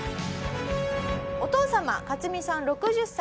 お父様カツミさん６０歳。